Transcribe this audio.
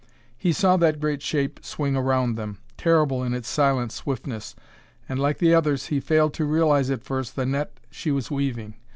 He saw that great shape swing around them, terrible in its silent swiftness, and, like the others, he failed to realize at first the net she was weaving.